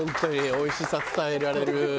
おいしさ伝えられる。